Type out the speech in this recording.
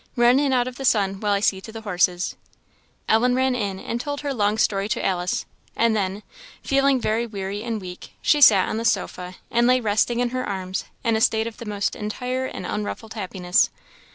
"Run in out of the sun, while I see to the horses." Ellen ran in, and told her long story to Alice; and then, feeling very weary and weak, she sat on the sofa, and lay resting in her arms in a state of the most entire and unruffled happiness.